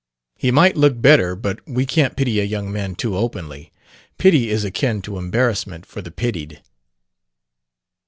"He might look better; but we can't pity a young man too openly. Pity is akin to embarrassment, for the pitied."